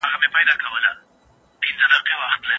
چپيانو په هېواد کې پخوانۍ نظامي کودتا وکړه.